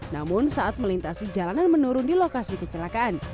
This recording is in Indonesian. namun saat melintasi jalanan menurun di lokasi kecelakaan